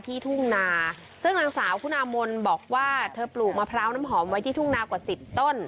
ทุ่งนาซึ่งนางสาวคุณามนบอกว่าเธอปลูกมะพร้าวน้ำหอมไว้ที่ทุ่งนากว่าสิบต้น